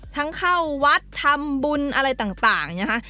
เข้าวัดทำบุญอะไรต่างนะคะ